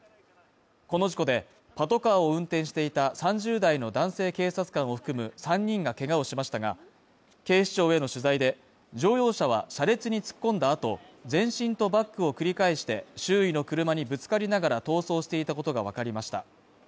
この事故でパトカーを運転していた３０代の男性警察官を含む３人がけがをしましたが、警視庁への取材で、乗用車は車列に突っ込んだ後、前進とバックを繰り返して周囲の車にぶつかりながら逃走していたことがわかりました。